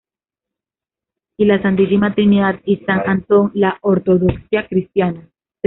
Y la Santísima Trinidad y San Antón la ortodoxia cristiana.